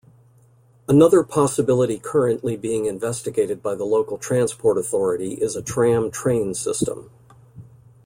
Another possibility currently being investigated by the local transport authority is a tram-train system.